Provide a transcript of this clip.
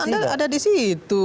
anda ada di situ